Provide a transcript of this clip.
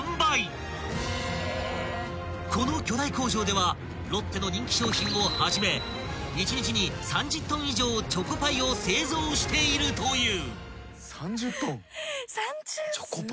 ［この巨大工場ではロッテの人気商品をはじめ１日に３０ｔ以上チョコパイを製造しているという］